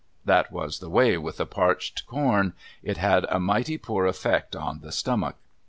That was the way with the parched corn. It had a mighty poor effect on the stomach.